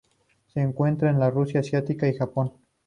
Se encuentra en Rusia asiática y Japón.